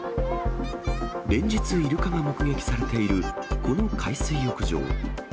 連日、イルカが目撃されているこの海水浴場。